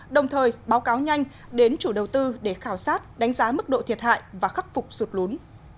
đồng thời báo cáo nhanh đến chủ đầu tư để khảo sát đánh giá mức độ thiệt hại và khắc phục sụt lún